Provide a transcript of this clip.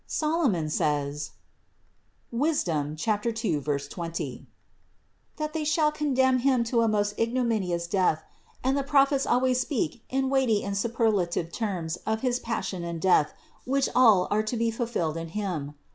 Solomon says (Wis. 2, 20), that they shall condemn Him to a most ignominous death and the Prophets al ways speak in weighty and superlative terms of his Pas sion and Death, which all are to be fulfilled in Him.